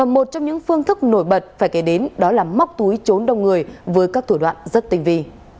một trong những phương thức nổi bật phải kể đến đó là móc túi trốn đông người với các thủ đoạn rất tinh vi